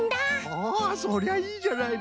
おそりゃいいじゃないの。